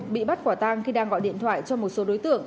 bị bắt quả tang khi đang gọi điện thoại cho một số đối tượng